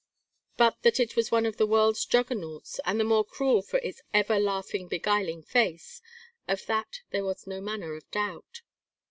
But that it was one of the world's juggernauts, and the more cruel for its ever laughing beguiling face of that there was no manner of doubt.